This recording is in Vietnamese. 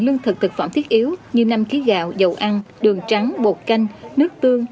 lương thực thực phẩm thiết yếu như năm ký gạo dầu ăn đường trắng bột canh nước tương